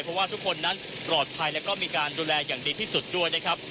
เพราะว่าทุกคนนั้นปลอดภัยแล้วก็มีการดูแลอย่างดีที่สุดด้วยนะครับ